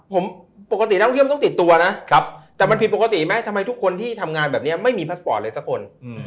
ผมปกตินักท่องเที่ยวต้องติดตัวนะแต่มันผิดปกติไหมทำไมทุกคนที่ทำงานแบบนี้ไม่มีพาสปอร์ตเลยสักคน